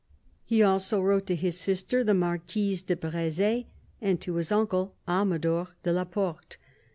." He also wrote to his sister, the Marquise de Breze, and to his uncle, Amador de la Porte.